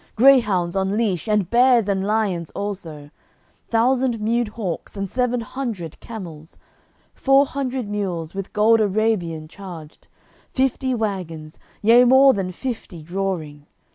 Greyhounds on leash and bears and lions also, Thousand mewed hawks and seven hundred camels, Four hundred mules with gold Arabian charged, Fifty wagons, yea more than fifty drawing.